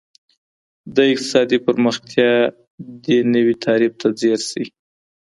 د اقتصادي پرمختیا دې نوي تعریف ته ځیر شئ.